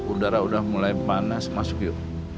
udara udah mulai panas masuk yuk